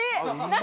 何？